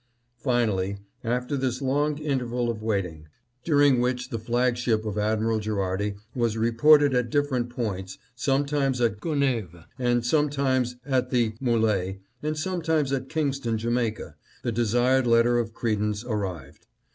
" Finally, after this long interval of waiting, during 742 RENEWED AUTHORITY FROM THE UNITED STATES. which the flagship of Admiral Gherardi was reported at different points, sometimes at Gona'ives, sometimes at the M61e, and sometimes at Kingston, Jamaica, the desired letter of credence arrived.